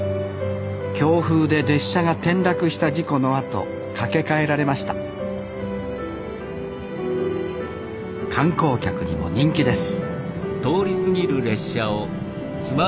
強風で列車が転落した事故のあと架け替えられました観光客にも人気です